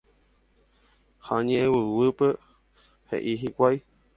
Ha ñe'ẽguyguýpe he'i hikuái.